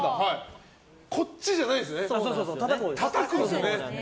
こっちじゃないんですね。